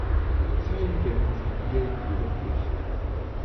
Verzeihen werden sie ihr jedoch nicht.